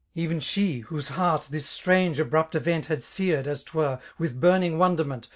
£y'n she^ whose heart this strange^ abrupt rrent Had seared^ as 'twere^ with burning wonderment.